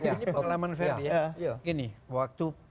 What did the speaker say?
ini pengalaman ferdie gini waktu